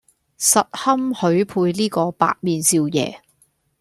實堪許配呢個白面少爺